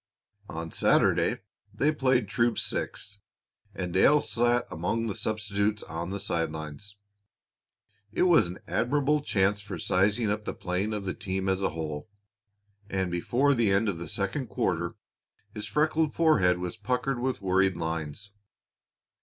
On Saturday they played Troop Six, and Dale sat among the substitutes on the side lines. It was an admirable chance for sizing up the playing of the team as a whole, and before the end of the second quarter his freckled forehead was puckered with worried lines.